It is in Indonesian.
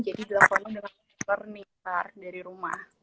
jadi dilakukan dengan learning dari rumah